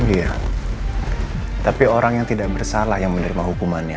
iya tapi orang yang tidak bersalah yang menerima hukumannya